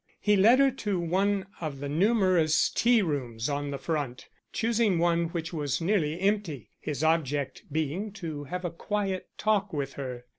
He led her to one of the numerous tea rooms on the front, choosing one which was nearly empty, his object being to have a quiet talk with her.